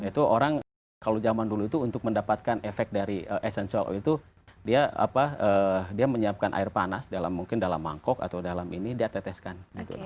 itu orang kalau zaman dulu itu untuk mendapatkan efek dari essential oil itu dia menyiapkan air panas dalam mungkin dalam mangkok atau dalam ini dia teteskan